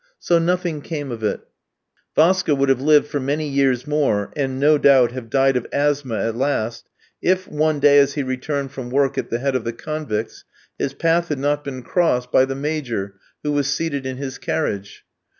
So nothing came of it. Vaska would have lived for many years more, and, no doubt, have died of asthma at last, if, one day as he returned from work at the head of the convicts, his path had not been crossed by the Major, who was seated in his carriage.